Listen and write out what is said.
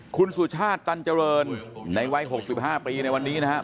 คุณสุชาติตันเจริญในวัย๖๕ปีในวันนี้นะครับ